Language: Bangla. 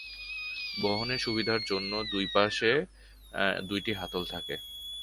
বহনের সুবিধার জন্য, দুই পাশে দুইটি হাতল থাকে।